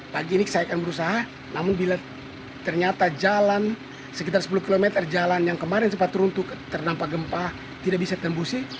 pagi ini saya akan berusaha namun bila ternyata jalan sekitar sepuluh km jalan yang kemarin sempat runtuh terdampak gempa tidak bisa tembusi